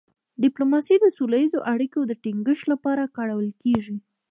ډيپلوماسي د سوله ییزو اړیکو د ټینګښت لپاره کارول کېږي.